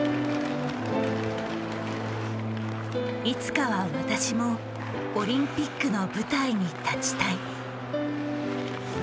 いつかは私もオリンピックの舞台に立ちたい。